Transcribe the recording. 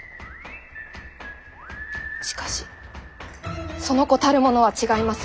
しかしその子たるものは違います。